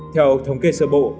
theo thống kê sơ bộ